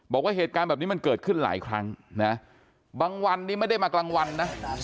บอกว่าเหตุการณ์แบบนี้มันเกิดขึ้นหลายครั้งนะบางวันนี้ไม่ได้มากลางวันนะ